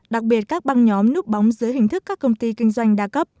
đặc biệt các băng nhóm núp bóng dưới hình thức các công ty kinh doanh đa cấp